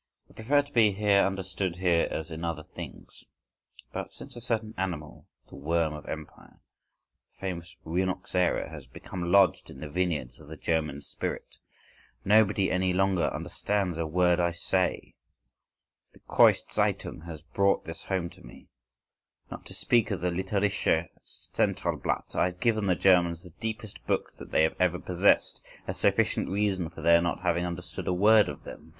I prefer to be understood here as in other things. But since a certain animal, the worm of Empire, the famous Rhinoxera, has become lodged in the vineyards of the German spirit, nobody any longer understands a word I say. The Kreus Zeitung has brought this home to me, not to speak of the Litterarisches Centralblatt. I have given the Germans the deepest books that they have ever possessed—a sufficient reason for their not having understood a word of them.